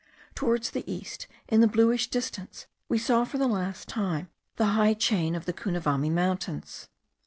Towards the east, in the bluish distance, we saw for the last time the high chain of the Cunavami mountains.